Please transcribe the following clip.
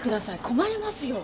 困りますよ。